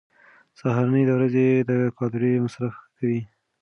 سهارنۍ د ورځې د کالوري مصرف ښه کوي.